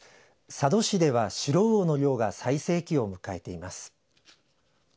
佐渡市ではシロウオの漁が最盛期を迎えています。